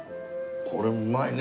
これうまいね。